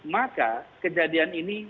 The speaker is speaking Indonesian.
maka kejadian ini